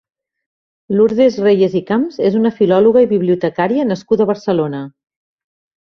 Lourdes Reyes i Camps és una filòloga i bibliotecària nascuda a Barcelona.